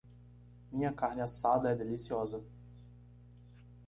Minha carne assada é deliciosa.